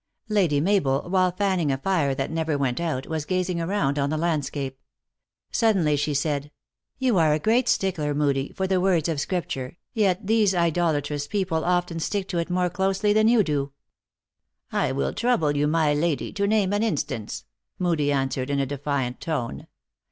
Lady Mabel, while fanning a fire that never went out, was gazing around on the landscape. Suddenly she said :" You are a great stickler, Moodie, for the words of Scripture, yet these idolatrous people often stick to it more closely than you do." THE ACTRESS IN HIGH LIFE. 131 " I will trouble you, my lady, to name an instance," Moodie answered, in a defiant tone.